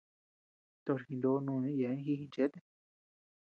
Tochi jino nùni yeaben ji ginchéte.